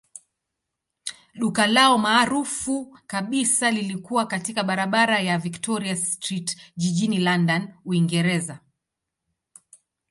Duka lao maarufu kabisa lilikuwa katika barabara ya Victoria Street jijini London, Uingereza.